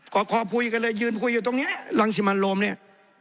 ก็คอคุยกันเลยยืนคุยอยู่ตรงนี้รังสิมันโรมเนี่ย